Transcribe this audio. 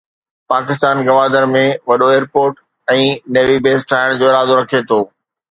پاڪستان گوادر ۾ وڏو airport ۽ navy base ٺاهڻ جو ارادو رکي ٿو.